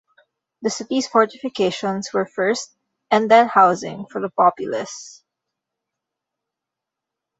The city's fortifications were first and then housing for the populace.